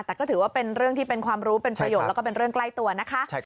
แต่ก็ถือว่าเป็นเรื่องที่เป็นความรู้เป็นประโยชน์แล้วก็เป็นเรื่องใกล้ตัวนะคะ